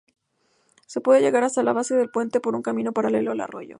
Se puede llegar hasta la base del puente por un camino paralelo al arroyo.